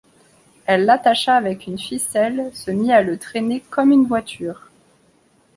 Elle l'attacha avec une ficelle, se mit à le traîner, comme une voiture.